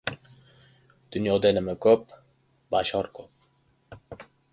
— Dunyoda nima ko‘p, Bashor ko‘p.